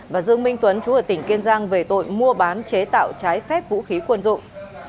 và dương minh tuấn chú ở tỉnh kiên giang về tội mua bán chế tạo trái phép vũ khí quân dụng